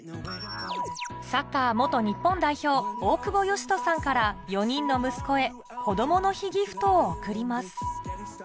サッカー日本代表大久保嘉人さんから４人の息子へこどもの日ギフトを贈ります